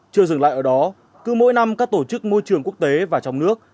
chưa dừng lại ở đó cứ mỗi năm các tổ chức môi trường quốc tế và trong nước